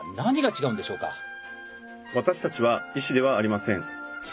私たちは医師ではありません。